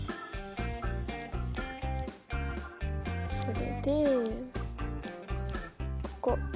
それでここ。